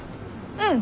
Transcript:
うん。